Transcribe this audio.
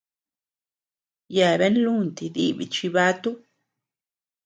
Yeabean lunti dibi chibatu.